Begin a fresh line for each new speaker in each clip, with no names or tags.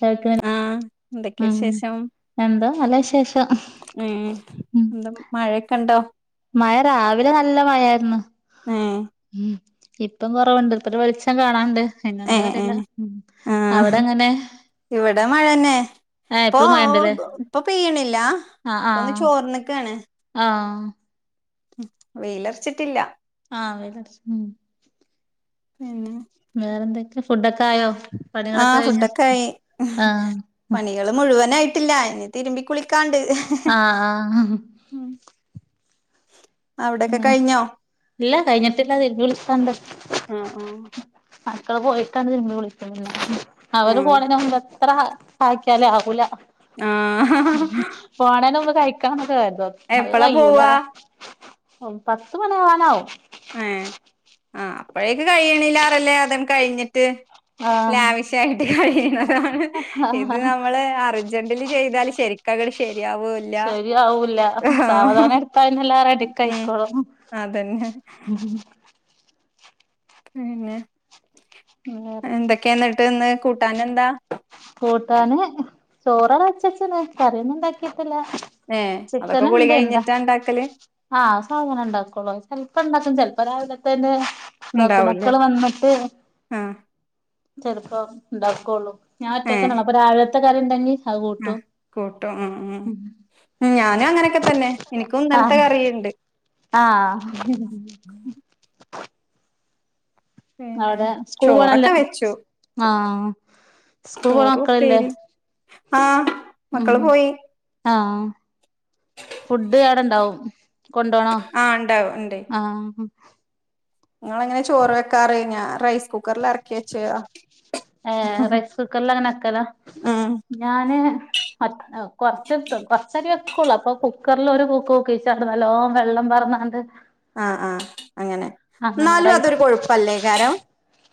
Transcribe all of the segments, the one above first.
കേൾക്ക്ണ്
ആഹ എന്തൊക്കെയ
ഉം
വിശേഷം?
എന്താ നല്ല വിശേഷം
ഉം
ഉം
എന്താ മഴയൊക്കെ ഉണ്ടോ?
മഴ രാവിലെ നല്ല മഴായിന്ന്.
ഏഹ്
ഉം ഇപ്പം കൊറവുണ്ട് ഇപ്പ വെളിച്ചം കാണാണ്ട്. പിന്നെ എന്താ
ഏഹ്
അറില
ഏഹ്
ഉ
ആഹ്
അവിടെ എങ്ങനെ
ഇവിടെ മഴന്നെ
ആഹ
ഇപ്പൊ
എപ്പളും മയണ്ടല്ലേ
ഇപ്പൊ പെയ്യണില്ല
ആ
ഇപ്പൊ
ആഹ
ഒന്ന്
ആഹ
വെയിലർച്ചിട്ടില്ല
ആ വെയിലർ ഉ
പിന്നെ
വേറെന്തൊക്കെ ഫുഡൊക്കെ ആയോ പണികളൊക്കെ
ആഹ
കഴിഞ്ഞോ
ഫുഡൊക്കെ ആയി
ആഹ്
പണികള് മുഴുവനായിട്ടില്ല അ തിരുമ്പി കുളി കാണ്ട്
ആഹ് ആഹ്
ഏഹ് ഏഹ്
ആ ഇല്ല കഴിഞ്ഞിട്ടില്ല തിരിമ്പി കുളിക്കാണ്ട്
ആഹ് ആഹ്
മക്കള് പോയിട്ടാണ് തിരിമ്പി കുളിക്കാർ അവര്
ആഹ്
പോണ അത്ര കഹക്കാലേ ആകൂല
ആഹ്
പോണാലും ഒന്ന് കഴിക്കാന്നൊക്ക അ അത്
എപ്പളാ
കഴൂല
പോവാ
പത്ത് മണി ആവാനാവും
ഏ ആ അപ്പഴേക്ക കഴിയണില്ലാറല്ലേ അത കഴിഞ്ഞിട്ട്
ആഹ
ലാവിഷായിട്ട് കഴിയുന്നതാണ് ഇത്
ആഹ്
നമ്മള് അർജന്റന് ചെയ്താല് ശരി ക്കക ശരി
ശരിയാവൂല്ല സാവധാനം എടുത്ത എല്ല
ഉം
റെഡിക്കായിക്കോളും
അതന്നെ
ഉം
പിന്നെ
വേറെന്താ
എന്തൊക്കെയ എന്നിട്ട് ഇന്ന് കൂട്ടൻ എന്താ
കൂട്ടാന് ചോറ വെച്ചച്ചണ് കറിയുന്നു ഇണ്ടാക്കിയ
ഏഹ്
ചിക്കൻ
അതൊക്കെ കുളി
എന്താ എന്താ
കഴിഞ്ഞിട്ടാ ഇണ്ടാക്കല്?
ആഹ് സാധനം ഇണ്ടാക്കള്ളൂ ചെപ്പോ ഇണ്ടാക്കും ചെിലപ്പോ രാവിലത്തെന്നെ എന്താക്ക
ഇണ്ടാവൂല്ലേ?
മക്കള് വന്നിട്ട്
ആഹ്
ചെറപ്പ ഉണ്ടാക്കുള്ളൂ ഞാൻ
ഏഹ്
ഒറ്റക്കള്ള അപ്പൊ രാവിലത്തെ കാര്യം ഉണ്ടെങ്കിൽ
ആഹ് കൂട്ടോ ആ ഞാനും അങ്ങനെയൊക്കെ തന്നെ എനിക്കും നല്ലത്തെ
ആഹ്
കറിയുണ്ട്
ആഹ്
ഉ പിന്നെ
അവിടെ സ്കൂൾ പോണല്ലേ
ചോറൊക്കെ വെച്ചു
ആഹ് സ്കൂൾ പോണ
ചോറു
മക്കളില്ലേ
ഉപ്പേരി ആഹ മക്കള് പോയി
ആഹ ഫുഡ് ടെ ഇണ്ടാവും കൊണ്ടോണോ
ആഹ്
ആഹ
നിങ്ങളങ്ങനെ ചോറ് വെക്കാറ് റൈ
ഏ റൈസ് കുക്കർ ല വെക്കല
ഉം
ഞാന് കൊറച്ച കൊറച്ചടി വെക്കുള്ളു അപ്പൊ കുക്കറൽ ഒരു കൂക്ക കൂക്കിച്ച അത് വലോം വെള്ളം പറഞ്ഞാണ്ട്
ആഹ ആഹ് അങ്ങനെ എന്നാലും അതൊരു കൊഴപ്പല്ലേ കാരം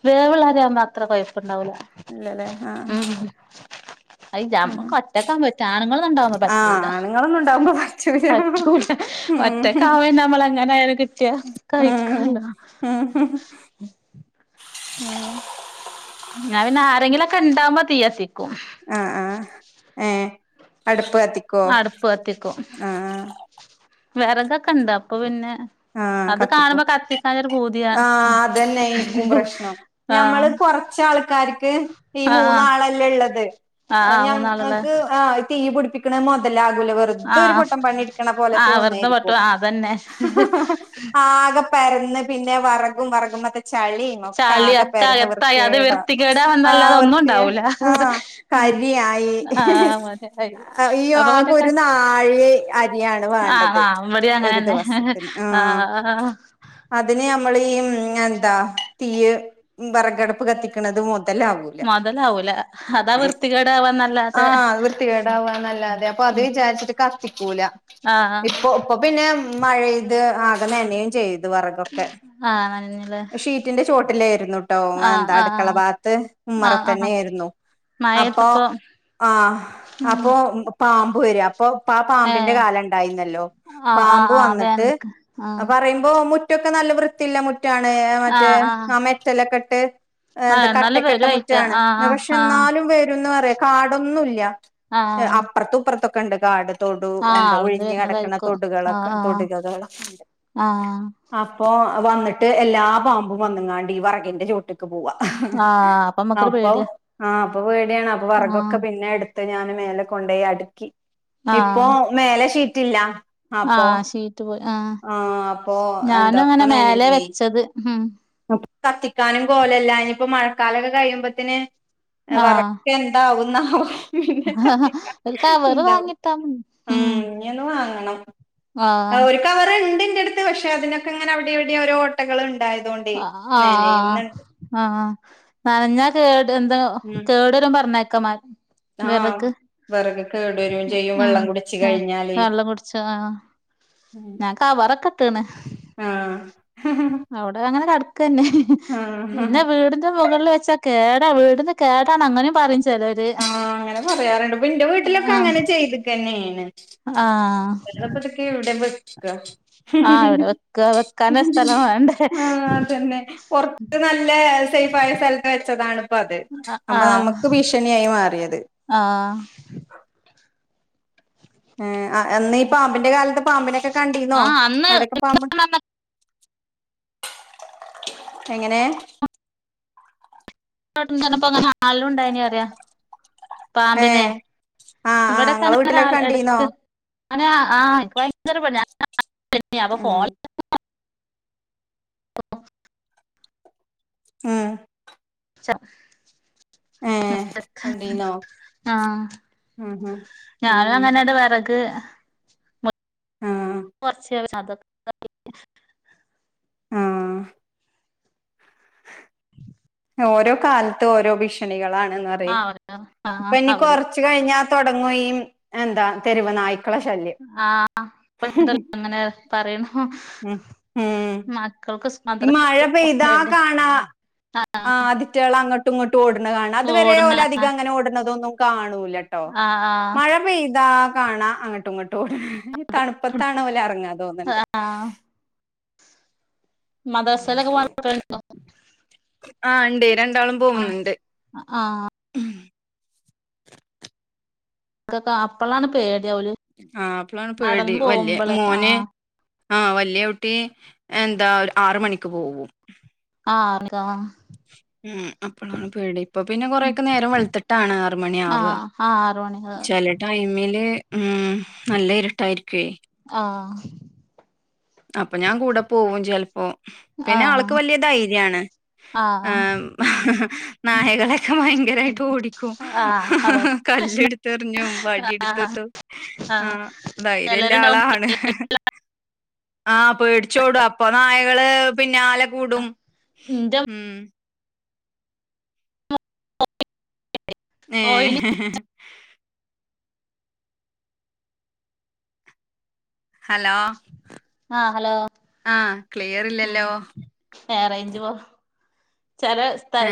വേവള്ള അരിയ ആവുമ്പോ അത്ര കൊഴപ്പുണ്ടാവൂല
ഇല്ലല്ലേ ആഹ്
ഉ അ നമ്മ
ആഹ്
കറ്റക്കാൻ പറ്റ ആണുങ്ങളൊന്നണ്ടാവക്പ
ആഹ്
പറ്റൂല
ആണുങ്ങളൊന്നും ഉണ്ടാവുമ്പോ പറ്റൂല
പത്ത് കൂട്ട
ഉം
മറ്റേ കാവ്യ നമലങ്ങനായന കിട്ടിയ കഴിക്കല്ല
മ്മ്ഹ് മ്മ്ഹ്ഹ്
ഉം
ഉ
പിന്നെ ആരെങ്കിലൊക്കെ ഉണ്ടാവുമ്പോ തീയ്യത്തിക്കും
ആഹ ആഹ ഏ അടു പ്പ കത്തിക്കോ
അടുപ്പ് കത്തിക്കും
ആഹ
വിറകൊക്കെ ഇണ്ടാ അപ്പൊ പിന്നെ
ആഹ്
അത്
കത്തിക്കും
കാണുമ്പോ കത്തിക്കഞ്ഞൊരു പൂതിയ
ആഹ്
ആഹ
കൊറച്ച ആൾക്കാർക്ക് ഈ
ആഹ്
മൂന്നാളല്ലേ ഉള്ളത്
ആഹ് മൂന്നാളുള്ള
ഞങ്ങക്ക് ആ തീ പിടിപ്പിക്കണ മുതല വെറുതൊരു
ആഹ്
പൊട്ടം പണിട്ക്കണ പോലെ
ആഹ് വെറുതെ പട്ടു
തോന്നായിരിക്കും
ആഹ് അതന്നെ
ആകെ പരന്ന് പിന്നെ വറകും വറക് മ്മ ചളീം ഒക്കെ
ചളി
ആകെ
ഒക്കെ
പരന്ന്
അകത്തായി അത്
വൃത്തിയേട
വൃത്തികേടാ
ആ
വന്നല്ലാതെ ഒന്നും
വൃത്തി
ഉണ്ടാവൂല
ആ അരിയായി
ആഹ് മതിയായി
ഈ യോ
അപ്പൊ
ആകെ ഒരു
പിന്നെ
നാഴി അരിയാണ് വാണ്ട
ആഹ്
ത്
ആഹ് ഇവടിം
ഒരു
അങ്ങനെന്നെ
ദിവസത്തിന് ആ
ആഹ്
അതിന് യമ്മള് എന്താ തീയ് വിറകടപ്പ് കത്തിക്ക്ണത് മൊ തലാവൂല
മൊതലാവൂല അതാ
[unintelligible] ആ
വൃത്തികേടാവാന്നല്ലാതെ
അത് വൃത്തികേടാവന്നല്ലാതെ അപ്പൊ- അത്
ഉം
വിചാരിച്ചിട്ട് കത്തിക്കൂല
ആഹ്
ഇപ്പൊ ഇപ്പൊ പിന്നെ മഴയെയ്ത് ആകെ നനയും ചെയ് തു വറകൊക്കെ
ആഹ് നനഞ്ഞിലേ
ഷീറ്റിന്റെ ചോട്ടിലായിരുന്നുട്ടോ
ആഹ്
എന്താ
ആഹ്
അടുക്കള വാത്ത് ഉമ്മറ
ആഹ് ആഹ്
തന്നെ ആയിരുന്നു അപ്പോ
മഴെയ്തപ്പോ
ആഹ അപ്പോ പാമ്പ് വരിയ അപ്പൊ ആ പാമ്പിന്റെ
ഏഹ്
കാലം ഉണ്ടായിരിന്നല്ലോ പാമ്പ് വന്നിട്ട്
ആ
അഹ് പറയുമ്പോ മുറ്റൊക്കെ നല്ല വൃത്തില്ല മുറ്റാണ് മറ്റേ
ആഹ് ആഹ്
ആ മെറ്റലൊക്കെ ഇട്ടെ
ആഹ്
എന്താ
എന്നാലും
കട്ടക്കെട്ട
വരു അയിറ്റ
മുറ്റാണ്
ആഹ് ആഹ്
പക്ഷെ
ആഹ്
എന്നാലും വരുംന്ന് പറയാ കാടൊന്നുംല്ല
ആഹ്
അപ്പറത്തുംപ്പറത്തൊക്കെണ്ട് കാട് തൊടു
ആഹ്
എന്താ
അവ്ട്ന്ന്
ഒഴിഞ് കിടക്ക്ണെ
വരുന്നതായിരിക്കും ആഹ്
തൊടുകളൊക്കെ
ആഹ്
തൊട്ക ണ്ട്
ആഹ്
അപ്പൊ വന്നിട്ട് എല്ലാ പാമ്പും വന്നങ്ങാണ്ട് ഈ വറകിന്റെ ചോട്ട ട്ട്ക്ക് പോക
ആഹ് അപ്പമ്മക്കൊരു
അപ്പൊ
പേടിയാ
ആ അപ്പൊ പേടിയാണ് അപ്പൊ വറകൊക്കെ
ആഹ്
പിന്നെ എടുത്ത് ഞാന് മേലെ കൊണ്ടേയി അടുക്കി ഇപ്പോ മേലെ ഷീറ്റില്ല
ആ
അപ്പൊ
ശരി പോയി ആ
ആഹ് അപ്പൊ എന്താ
ഞാനും അങ്ങനെ
ഒക്കെ
മേലെ
നനഞ്ഞോയി
വെച്ചത് ഉം
കത്തിക്കാനും കോലല്ല ഇനിപ്പോ മഴക്കാലൊക്കെ കഴിയുമ്പത്തിന്
ആഹ്
വറകൊക്കെ എന്താവും ന്നാവോ പിന്നെ കത്തി
ഒരു കവറ്
ഉണ്ടാവും
വാങ്ങിട്ടാ മതി
ഉം ഇഞ്ഞൊന്ന് വാങ്ങണം ആ
ആഹ്
ഒരു കവർണ്ട് ഇന്റെറ അടുത്ത് പക്ഷെ അതിനൊക്കെ ങ്ങനെ അവിടെവിടെ ഓരോ ഓട്ടകൾ ഉണ്ടായതോണ്ടേ
ആ ആ
നനയുന്നുണ്ട്
ആ ആ നനഞ്ഞ കേ എന്താ
ഉം
കേടരും പറഞ്ഞേക്കാമാ
ആഹ്
വിറക്
വിറക് കേട് വരും ചെയ്യും
ഉം
വെള്ളം കുടിച്ച്
ആ
കഴിഞ്ഞാല്
വെള്ള പിടിച്ച ആ ഞാൻ കവറക്കെട്ടക്ക്ണ്
ആഹ്
അവിടെ അങ്ങനെ കടക്കന്നെ
ആഹ്
പിന്നെ വീടിന്റെ മുകളിൽ വെച്ചക്കെ കേടാ വീടിന്ന് കേടാ അങ്ങനെയും പറയി
ആ അങ്ങനെ പറയാറുണ്ട് പ്പന്റെ വീട്ടിലൊക്കെ
ആഹ്
അങ്ങനെ ചെയ്ത്ക്കന്നെ
ആഹ്
അല്ലാതപ്പാതൊക്ക എവിടെ വെക്ക
ആഹ് ഇവിടെ വെക്ക വെക്കാന് സ്ഥലം വേണ്ടേ
ആ അതന്നെ പുറത്ത് നല്ലെ സൈഫായ സ്ഥലത്ത് വെച്ചതാണ് പ്പഅത്
അ
അപ്പൊ
ആഹ്
നമ്മക്ക് ഭീഷ ഷണിയായി മാറിയത്
ആഹ്
ഏ ആ എന്നീ ഈ പാമ്പിന്റെ കാലത്ത് പാമ്പിനൊക്കെ കണ്ടിന്നോ
ആഹ് അന്ന്
അവിടൊക്കെ പാമ്പ എങ്ങനെ
[unintelligible] ചെന്നപ്പോ ഒന്ന് കാണലും ഉണ്ടായിനറിയ
ഏ
പാമ്പിനെ
ആ ആ ഇങ്ങളെ
ഇവിടെക്കങ്ങന കാണ
വീട്ടിലൊക്കെ കണ്ടീന്നോ
എടക്ക് അ ആ ഭയങ്കര ഇക്ക് പേടിയാ [unintelligible] അപ്പൊ
ഉം
ഫോൺ [unintelligible]
ഉം ഏ
[unintelligible]
കണ്ടീന്നോ
ആ
ഉം
ഞാനും
ഉം
അങ്ങനെട വെറക്ക്
ഉം
കൊറച്ച് [unintelligible]
ആഹ് [unintelligible]
[unintelligible]
ഓരോ കാലത്ത് ഓരോ ഭീഷണികളാണ്ന്നറയ്
ആഹ് അവര് ആഹ്
ഇപ്പൊ ഇനി
അവര്
കൊറച്ച് കഴിഞ്ഞാതൊ [unintelligible] എന്താ തെരുവ് നായ് ഉം
[unintelligible]
ഉം
മക്കൾക്ക് സ്
ഈ മഴ പെയ്താ കാണാ ആ അതിറ്റകൾ അങ്ങോട്ടും ഇങ്ങോട്ടും ട്ടോട്ണ് കാണാ അത് വരെ
ഓടണ
ഓല് അധികം അങ്ങനെ ഓട്ണന്നതൊന്നും കാണൂ ട്ടോ
ആഹ് ആഹ്
മഴ പെയ്താ കാണാ അങ്ങോട്ടും ഇങ്ങോട്ട് ട്ടോ തണുപ്പത്താണ് ഓലെറങ്ങാ തോന്ന്ണ്ട്
ആഹ് മദ്രസെലൊക്കെ [unintelligible]
ആ ണ്ടേ രണ്ടാളും പോകുന്നുണ്ട്
ക്കൊ അപ്പളാണ് പേ
ആ അപ്പളാണ് പേടി വല്യ
പോകുമ്പള്
മോന്
ആഹ്
ആ വല്യ കുട്ടി എന്താ ആറ് മണിക്ക് പോകും
[unintelligible]
ഉം അപ്പളാണ് പേടി ഇപ്പൊ പിന്നെ കൊറെക്കെ നേരം വെളുത്ത്ട്ടാണ് ആറ് മണിയാവ
ആഹ് ആറ് മണി
ചെല ടൈമില് ഉം നല്ല ഇരുട്ടായിരിക്കേ
ആഹ്
അപ്പൊ ഞാൻ കൂടെ പോവും ചെൽപ്പോ പിന്നെ ആൾക്ക്
ആഹ്
വല്യ ധൈര്യാണ്
ആഹ്
നായകളൊക്കെ ഭയങ്കരായിട്ട് ഓടിക്കും
ആഹ് അതോ
ക ല്ല്
പ്രശ്ന
ട്ത്തെറിഞ്ഞും വടി
ആഹ്
ട്ത്ത്ട്ടും ആ
ആഹ്
ധൈര്യ ല്ല
ചെലരുണ്ടാവും
ആളാണ് ആ പേടിച്ചോടും അപ്പൊ നായകള് പിന്നാലെ കൂടും
ഇന്റെ
ഉം ഏ
പോയിന്
ഹലോ
ആഹ് ഹലോ
ആ
ഉം
ക്ലിയറില്ലല്ലോ
റേഞ്ച് പോ ചെല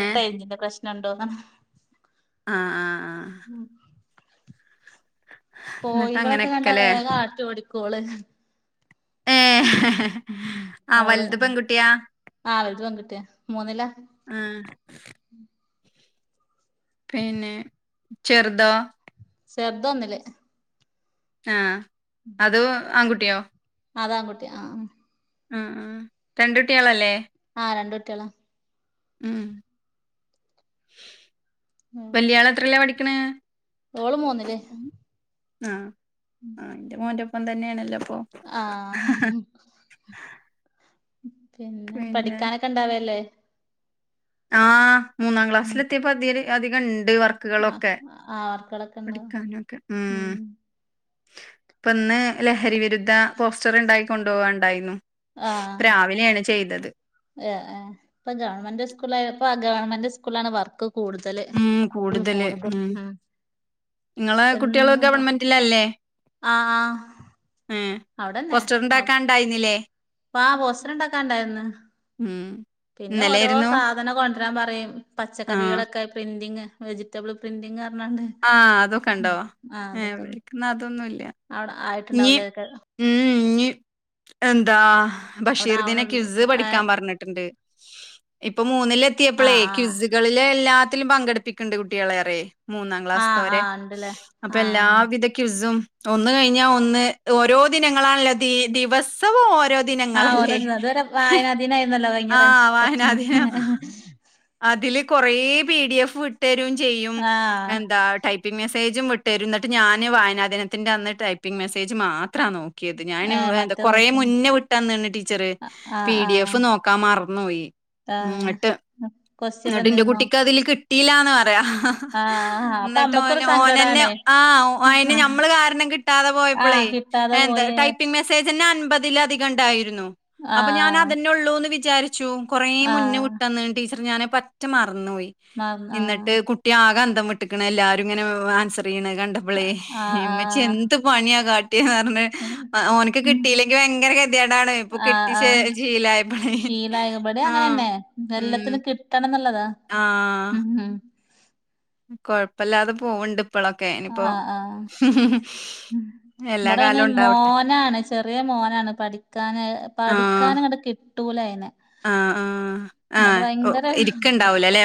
ഏഹ്
റേഞ്ചിന്റെ പ്രശ്നുണ്ടോന്ന്ണ്
ആ ആ
ഉം കോഴികളൊക്കെ കണ്ടാ
എന്നിട്ടങ്ങനെയൊക്കെല്ലേ
വേഗം ആട്ട്യോടിക്കോള്
ഏ ആ വലുത് പെൺകുട്ട്യാ
പെൺകുട്ട്യാ മൂന്നില
ആ പിന്നെ ചെറുതോ
ചെറ്തൊന്നില്
ആ അത് ആൺകുട്ട്യോ
അതാങ്കുട്ടി ആ
ഉം രണ്ട് ട്ടിളല്ലേ
ആ രണ്ടുട്ടിളാ
ഉം വല്യാള ത്രീലാ പഠിക്ക്ണ്.
ഓളും പോന്നില്ലേ
ആഹ ആ് ന്റെ മോന്റെപ്പം തന്നെണ്
ആഹ പിന്നെ പഠിക്കാനൊക്കെ ഇണ്ടാവല്ലേ
ആഹ് മൂന്നാം ക്ലാസ്സില് എത്തിയപ്പോ അധിക അധികംണ്ട്
ആ ആ അവർക്കട
പഠിക്കാനും ഒക്കെ ഉം ഇപ്പ ഇന്ന് ലഹരി വിരുദ്ധ പോസ്റ്റർ ഉണ്ടാക്കി കൊണ്ടു പോകണ്ടായിരുന്നു
ആഹ ആ ഇപ്പൊ ഗവൺമെന്റ് സ്കൂളപ്പ ഗവൺമെന്റ് സ്കൂളാണ് വർക്ക് കൂടുതല്
ഉം
കൂടുതൽ ഉം
ഇങ്ങളെ കുട്ടികള്
എന്നുണ്ടാവും
ഗവൺമെന്റിലല്ലേ
ആഹ് ആഹ്
ഉ പോസ്റ്റർണ്ടാക്കാ ഉണ്ടായിന്നില്ലേ
ആാ പോസ്റ്റർ ഇണ്ടാക്കാണ്ടായിന്ന്
ഉം
പിന്നെ ഓരോ
ഇന്നലെയായിരുന്നു
സാധന കൊ പറയും
ആ
പച്ചക്കറികളൊക്കെ പ്രിന്റിംഗ് വെജിറ്റബിൾ പ്രിന്റിംഗ
ആഹ അതൊക്കെ ഉണ്ടാവോ ഏ വിളിക്കുന്ന അതൊന്നുമല്ല
ആയിട്ടുണ്ടാവലേതൊക്കെ
ഇനി എന്താ
അവിടെ
ബഷീർദിന ക്വിസ്
ആവണള്ളേക്കും ഏഹ്
പഠിക്കാൻ പറഞ്ഞിട്ടുണ്ട് ഇപ്പൊ മൂന്നില് എത്തിയപ്പളേ
ആഹ് ആഹ്
ക്വിസുകളളില് എല്ലാത്തിലും പങ്കെടുപ്പിക്കണ്ട് കുട്ടികളെേറെ മൂന്നാം
ആഹ്
ക്ലാസ്സത്തവരെ
ആഹ് ഉണ്ടല്ലേ
അപ്പൊ
ആഹ്
എല്ലാവിധ ക്വിസ്യും ഒന്ന് കഴി ഒന്ന് ഓരോ ദിനങ്ങളാണല്ലോ ദിവസവും ഓരോ
ആഹ് ഓരോ
ദിനങ്ങളല്ലേ
ഇതുവരെ വായനാ ദിനായിരുന്നല്ലോ കഴിഞ്ഞ
ആ
പ്രാവശ്യം കൊറച്ച് മുന്നേ
വായനദിനം അതില് കൊറ പി ഡി എഫ് തരും ചെയ്യും
ആഹ്
എന്താ ടൈപ്പിംഗ്‌ മെസെ മെസേജും വിട്ടരും എന്നിട്ട് ഞാന് വായനാദിനത്തിന്റെ അന്ന് ടൈപ്പിംഗ് മെസ്സേജ് മാത്രാ നോക്ക ഞാൻ
ഏഹ് മറ്റേ
കൊറെ
നോക്കില്ല
മുന്നേ വിട്ടന്നാണ് ടീച്ചറ്
ആഹ്
പി ഡി
ആഹ്
എഫ് നോക്ക മറന്നുപോയി
ആഹ്
ന്നിട്ട്
കൊസ്റ്റ്യൻ
ന്നിട്ട് ഇന്റെ
വന്നിരുന്നോ
കുട്ടിക്ക് അതില് കിട്ടിലാന്ന് പറയാ.
ആഹ് അപ്പൊ
ന്നിട്ട്
അമ്മക്കൊരു
ഓന ഓനന്നെ
സങ്കടാണേ
ആ്ഓഅനേ ഞമ്മള് കാരണം കിട്ടാതെ
ആഹ്
പോയപ്പളേ.
കിട്ടാതെ
എന്താ
പോയി
ടൈപ്പിംഗ് മെസേജ് അന്നെ അൻ ബതിലധികംണ്ടായിരുന്നു അപ്പൊ ഞാൻ
ആഹ്
അതെന്നെ ഉള്ളൂന്ന് വിചാരി. ച്ചു കൊറേ മുനെ
ആഹ്
വിട്ടാന്നീനു ടീച്ചർ ഞ പറ്റ മാ. എന്നോയി
മറന്ന്
എന്നിട്ട് കുട്ടിയാകെ അന്തം വീട്ട്ക്ക്ണ് എല്ലാരും ഇങ്ങനെ ആൻസർ. ണ കണ്ടപളേ
ആഹ് ആഹ്
ഇമച്ചി
ആഹ്
എന്ത് പണിയാ കാ. കിട്ടിയന്ന് പറഞ് ഓനക്ക്
ഉം
കിട്ടിയില്ലെങ്കിൽ ഭയങ്കര ഗതികേടാണ് ഇപ്പൊ കിട്ടി ജീ ഷീലായപ്പളെ.
[unintelligible] ഇവിടെ അങ്ങനെ തന്നെ എല്ലത്തിനും കിട്ടണം എന്നുള്ളതാ
ആഹ്.
ഉം.
കൊഴപ്പല്ലാതെ പോവണ്ട് ഇപ്പോളൊക്കെ ഇനിപ്പോ.
ആഹ് ആഹ് ഇവിടെ പിന്നെ മോനാണ് ചെറിയ മോനാണ് പഠിക്കാ പഠിക്കാന് ഇങ്ങട് കി ട്ടൂലയനെ.
ആഹ ആ.
ന്നിട്ട് ഭയങ്കര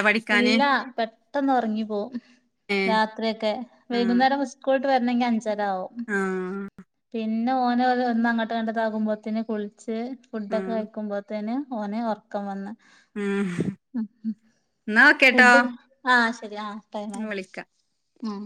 പഠിക്കാന്?
ഇല്ല പെട്ടെന്ന് ഒറങ്ങി പോവും.
ഏഹ്.
രാത്രിയൊക്കെ
ആഹ്.
വൈകുന്നേരം സ്‌കുള് ട്ട് വെരണങ്കിൽ അഞ്ചരാവും
ആഹ്
പിന്നെ ഓന ഓ ഒന്ന് അങ്ങട്ട് ഇങ്ങട്ട് ഇതാകുമ്പോത്തിന്. ച്ച് ഫുഡൊക്കെ
ആഹ്
കഴിക്കുമ്പോത്തേന് ഓന് ഒറക്കം വന്ന്.
ഉം
ഉം ഉം
നാ.
ഫുഡ് ആഹ് ശരി ആ ടൈമായിലെ
വിളിക്കാം
ഉം.